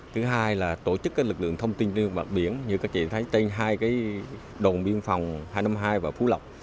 thứ hai là tổ chức lực lượng thông tin trên mặt biển như các chị thấy trên hai đồn biên phòng hai trăm năm mươi hai và phú lộc